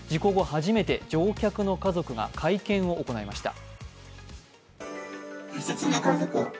初めて乗客の家族が会見を行いました。